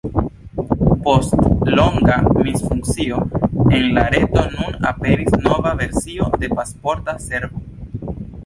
Post longa misfunkcio en la reto nun aperis nova versio de Pasporta Servo.